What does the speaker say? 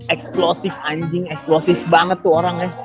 explosif anjing eksplosif banget tuh orangnya